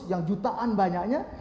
yang jutaan banyaknya